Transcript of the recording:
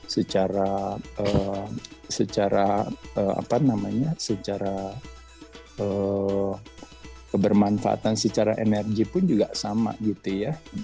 secara kebermanfaatan secara energi pun juga sama gitu ya